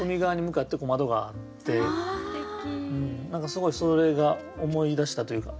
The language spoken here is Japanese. すごいそれが思い出したというか